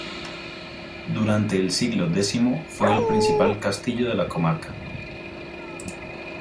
Durante el siglo X fue el principal castillo de la comarca.